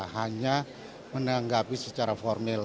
hanya menanggapi secara formil